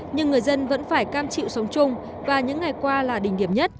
nhưng người dân vẫn phải cam chịu sống chung và những ngày qua là đình nghiệp nhất